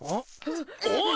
おい！